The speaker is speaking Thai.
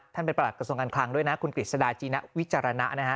ประหลักกระทรวงการคลังด้วยนะคุณกฤษฎาจีณวิจารณะนะฮะ